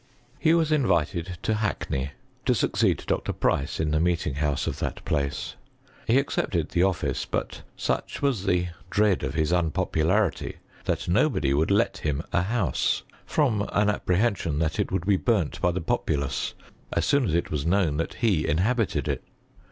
«■ He was invited to Hackney, to succeed Dr. ^B^ice in the meeting house of that place. He ^Mecepted the office, but such was the dread of his ^Snpopularity, that nobody would let him a house, hoia an apprehension that it would be burnt by the populace as soon as it was known that he inhabited it.